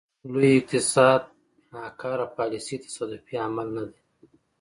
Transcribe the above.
لوی اقتصاد ناکاره پالیسۍ تصادفي عمل نه دی.